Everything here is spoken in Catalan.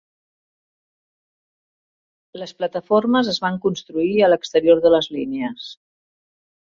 Les plataformes es van construir a l'exterior de les línies.